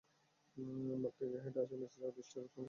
মাঠ থেকে হেঁটে আসা মেসির দৃষ্টি আকর্ষণ করলেন সাবেক বার্সা কোচ।